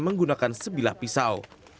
menggunakan sebilah pisau